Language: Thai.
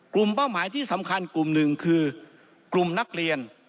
เป้าหมายที่สำคัญกลุ่มหนึ่งคือกลุ่มนักเรียน